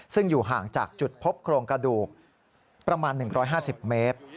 ซึ่งอยู่ห่างจากจุดพบโครงกระดูกประมาณ๑๕๐เมตร